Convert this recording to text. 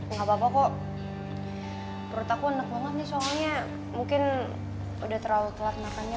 nggak apa apa kok perut aku enak banget nih soalnya mungkin udah terlalu telat makannya